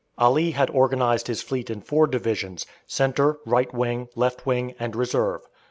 Ali had organized his fleet in four divisions, centre, right wing, left wing, and reserve.